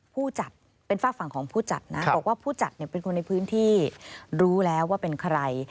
ผู้จัดเป็นฝากฝั่งของผู้จัดนะบอกว่าผู้จัดเป็นคนในพื้นที่รู้แล้วว่าเป็นใคร